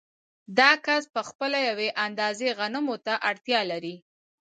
دا کس په خپله یوې اندازې غنمو ته اړتیا لري